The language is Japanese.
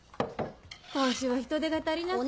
今週は人手が足りなくて。